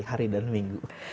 hari dan minggu